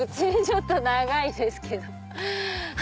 ちょっと長いですけど。